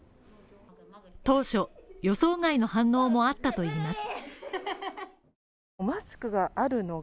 当初予想外の反応もあったといいます。